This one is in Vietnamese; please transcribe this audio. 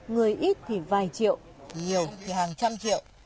người ít thì vài triệu nhiều thì hàng trăm triệu